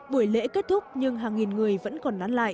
buổi lễ kết thúc nhưng hàng nghìn người vẫn còn nắng